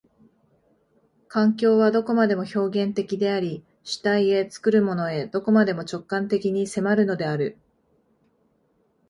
環境はどこまでも表現的であり、主体へ、作るものへ、どこまでも直観的に迫るのである。